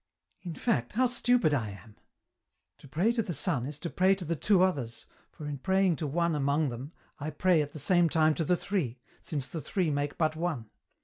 " In fact, how stupid I am. To pray to the Son is to pray to the two others, for in praying to one among them I pray at the same time to the three, since the three make but one.